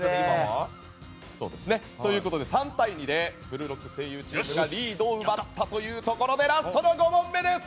３対２で「ブルーロック」声優チームがリードを奪ったというところでラストの５問目です！